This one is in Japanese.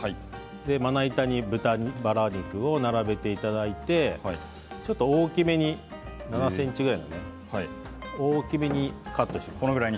まな板に豚バラ肉を並べていただいてちょっと大きめに７ｃｍぐらいにカットしてください。